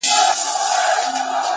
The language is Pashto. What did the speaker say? د نظم ځواک ګډوډي کموي.!